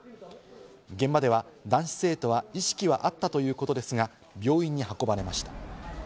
現場では男子生徒は意識はあったということですが、病院に運ばれました。